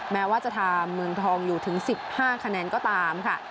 แม้ว่าจะทำเมืองทองอยู่ถึง๑๕คะแนนก็ตามค่ะ